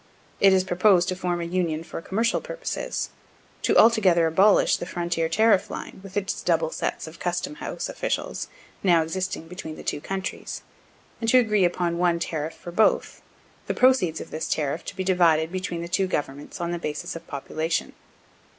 It is proposed to form a union for commercial purposes to altogether abolish the frontier tariff line, with its double sets of custom house officials now existing between the two countries, and to agree upon one tariff for both, the proceeds of this tariff to be divided between the two governments on the basis of population.